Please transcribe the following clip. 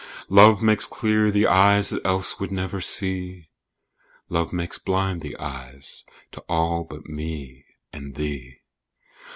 Love makes clear the eyes that else would never see: "Love makes blind the eyes to all but me and thee."